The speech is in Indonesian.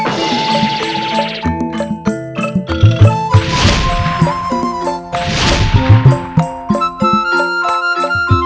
tapi bewan sama aku